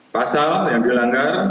pasal yang dilanggar